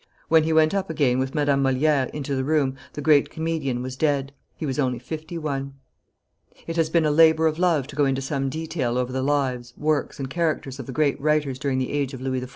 When he went up again, with Madame Moliere, into the room, the great comedian was dead. He was only fifty one. [Illustration: Death of Moliere 669] It has been a labor of love to go into some detail over the lives, works, and characters of the great writers during the age of Louis XIV.